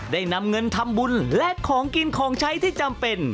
ได้นำเงินทำบุญและของกินของใช้ที่จำเป็น